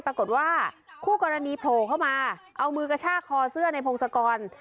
ปรากฏว่าคู่กรณีโผล่เข้ามาเอามือกระชากคอเสื้อในพงศกร